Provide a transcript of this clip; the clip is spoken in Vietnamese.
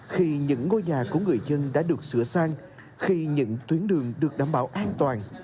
khi những ngôi nhà của người dân đã được sửa sang khi những tuyến đường được đảm bảo an toàn